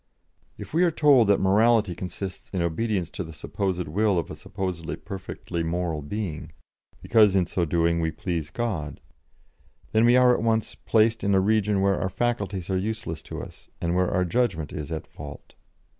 If we are told that morality consists in obedience to the supposed will of a supposed perfectly moral being, because in so doing we please God, then we are at once placed in a region where our faculties are useless to us, and where our judgment is at fault.